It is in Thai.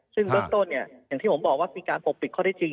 ซึ่งเบื้องต้นเนี่ยอย่างที่ผมบอกว่ามีการปกปิดข้อได้จริง